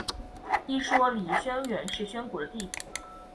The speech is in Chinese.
一说李宣远是宣古的弟弟。